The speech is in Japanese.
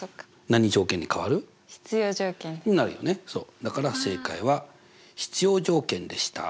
だから正解は必要条件でした。